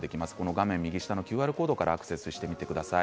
画面右下のＱＲコードからアクセスしてみてください。